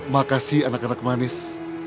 makasih anak anak manis